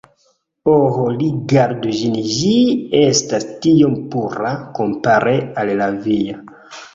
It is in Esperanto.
Oh rigardu ĝin ĝi estas tiom pura kompare al la via